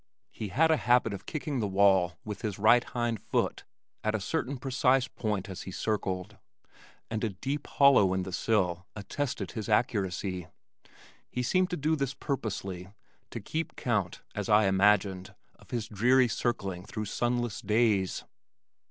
He had a habit of kicking the wall with his right hind foot at a certain precise point as he circled, and a deep hollow in the sill attested his accuracy. He seemed to do this purposely to keep count, as I imagined, of his dreary circling through sunless days.